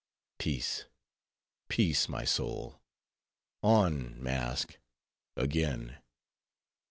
Peace, peace, my soul; on, mask, again."